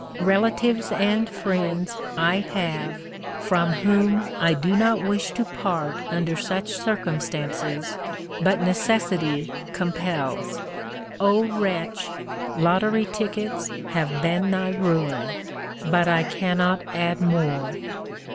Relatives and friends I have, from whom I do not wish to part under such circumstances, but necessity compels. Oh, wretch! lottery tickets have been thy ruin. But I cannot add more."